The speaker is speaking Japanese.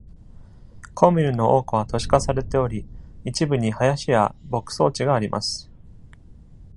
コミューンの多くは都市化されており、一部に林や牧草地があります。